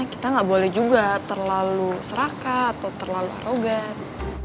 kita gak boleh juga terlalu serakat atau terlalu harogat